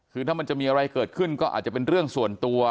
คือถ้ามันจะมีอะไรเกิดขึ้นก็อาจจะเป็นเรื่องส่วนตัว